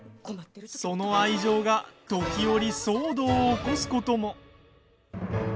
その愛情が時折、騒動を起こすことも。